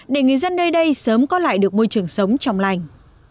để người dân nơi đây sớm có lại được môi trường sống trong lành